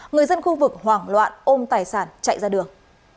người dân khu vực hoảng loạn ôm tài sản chạy ra đường